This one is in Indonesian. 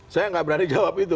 saya nggak berani jawab itu